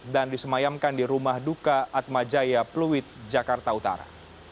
dan disemayamkan di rumah duka atma jaya pluit jakarta utara